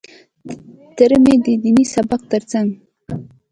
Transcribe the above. تره مې د ديني سبق تر څنګ.